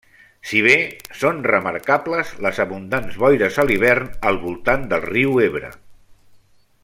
Si bé són remarcables les abundants boires a l'hivern al voltant del riu Ebre.